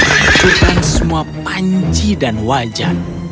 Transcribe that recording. menunjukkan semua panci dan wajan